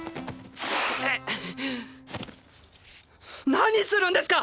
何するんですか！